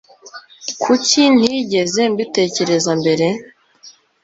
Kuki ntigeze mbitekereza mbere?